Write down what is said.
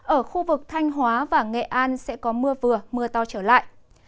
ở khu vực thanh hóa và nghệ an sẽ có mưa vừa mưa to trở lại